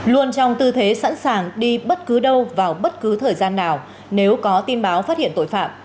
luôn trong tư thế sẵn sàng đi bất cứ đâu vào bất cứ thời gian nào nếu có tin báo phát hiện tội phạm